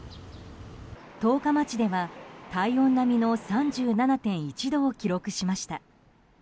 十日町では体温並みの３７．１度を記録しました。